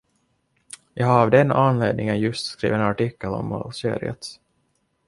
Jag har av den anledningen just skrivit en artikel om Algeriet.